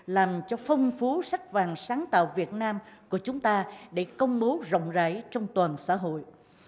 làm cho phong phú sách vàng sáng tạo việt nam của chúng ta để công bố rộng rãi trong toàn xã hội